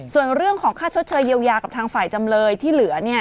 ส่วนเรื่องของค่าชดเชยเยียวยากับทางฝ่ายจำเลยที่เหลือ